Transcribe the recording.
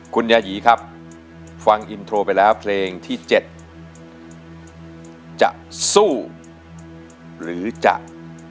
คุณยายีครับฟังอินโทรไปแล้วเพลงที่๗จะสู้หรือจะ